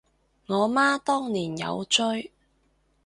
我媽當年有追